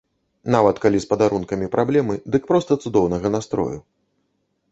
Нават калі з падарункамі праблемы, дык проста цудоўнага настрою.